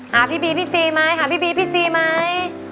หาพี่บีพี่ซีไหม